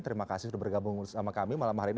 terima kasih sudah bergabung bersama kami malam hari ini